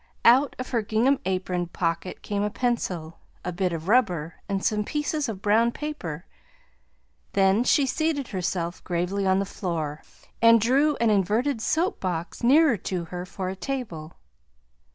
Out of her gingham apron pocket came a pencil, a bit of rubber, and some pieces of brown paper; then she seated herself gravely on the floor, and drew an inverted soapbox nearer to her for a table.